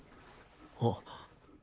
あっ。